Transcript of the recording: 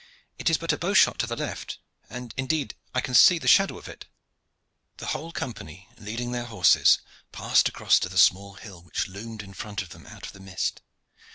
It is but a bow shot to the left, and, indeed, I can see the shadow of it." The whole Company, leading their horses, passed across to the small hill which loomed in front of them out of the mist.